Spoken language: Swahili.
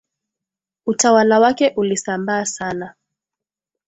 Utawala wake ulisambaa sana